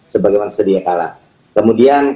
sebagaimana sedia kala kemudian